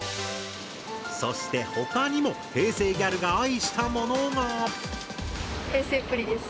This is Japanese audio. そして他にも平成ギャルが愛したものが。